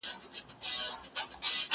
زه اوس موسيقي اورم،